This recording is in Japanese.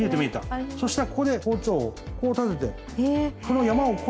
そしたらここで包丁をこう立てて。